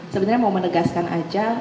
sebenarnya mau menegaskan aja